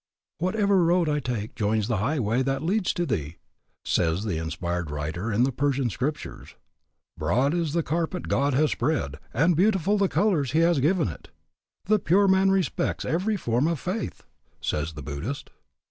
"Whatever road I take joins the highway that leads to Thee," says the inspired writer in the Persian scriptures. "Broad is the carpet God has spread, and beautiful the colors he has given it." "The pure man respects every form of faith," says the Buddhist.